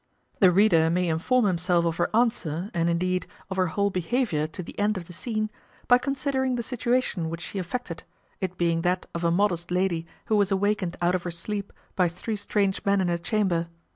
The reader may inform himself of her answer, and, indeed, of her whole behaviour to the end of the scene, by considering the situation which she affected, it being that of a modest lady, who was awakened out of her sleep by three strange men in her chamber.